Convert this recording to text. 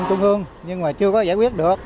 chưa có giải quyết được